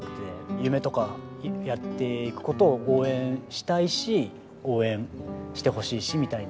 夢とかやっていく事を応援したいし応援してほしいしみたいな。